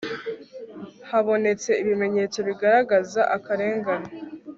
habonetse ibimenyetso bigaragaza akarengane